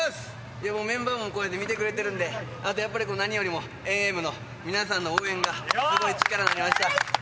でもメンバーもこうやって見てくれてるんで、あとやっぱり、何よりも遠泳部の皆さんの応援がすごい力になりました。